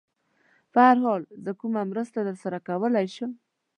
په هر حال، زه کومه مرسته در سره کولای شم؟